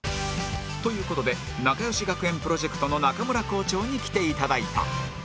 という事でなかよし学園プロジェクトの中村校長に来ていただいた